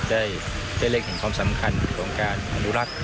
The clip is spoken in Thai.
ได้เละถึงความสำคัญของการรูรัก